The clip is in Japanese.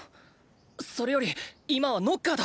それより今はノッカーだ！